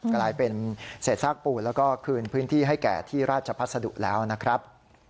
กลายเป็นเศษซากปูนแล้วก็คืนพื้นที่ให้แก่ที่ราชพัสดุแล้วนะครับ